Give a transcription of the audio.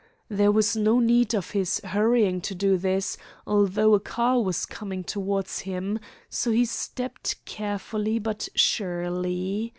There was no need of his hurrying to do this, although a car was coming towards him, so he stepped carefully but surely.